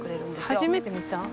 初めて見た。